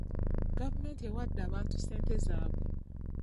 Gavumenti ewadde abantu ssente zaabwe.